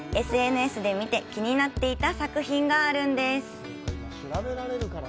ＳＮＳで見て気になっていた作品があるんです。